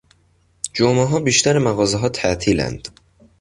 جمعهها بیشتر مغازهها تعطیلاند.